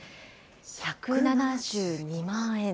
１７２万円。